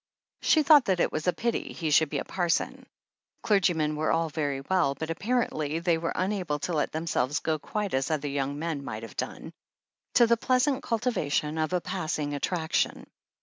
She thought that it was a pity he should be a parson. Clergymen were all very well, but apparently they were unable to let themselves go quite as other young men might have done, to the pleasant cultivation of a pass ing attraction.